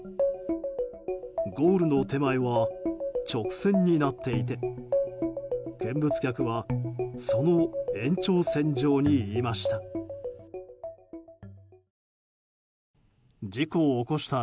ゴールの手前は直線になっていて見物客はその延長線上にいました。